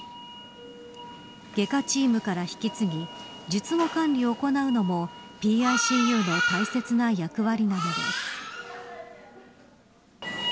外科チームから引き継ぎ術後管理を行うのもＰＩＣＵの大切な役割なのです。